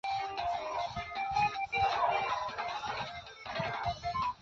科潘是玛雅文明古典时期最重要的城邦之一。